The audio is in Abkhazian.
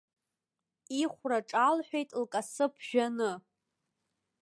Ихәра ҿалҳәеит лкасы ԥжәаны.